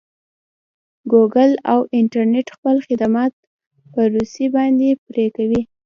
ګوګل او انټرنټ خپل خدمات په روسې باندې پري کوي.